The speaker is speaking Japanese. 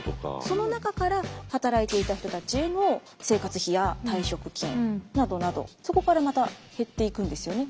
その中から働いていた人たちへの生活費や退職金などなどそこからまた減っていくんですよね